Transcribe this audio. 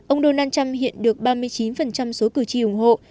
ông donald trump hiện được ba mươi chín số cử tri ủng hộ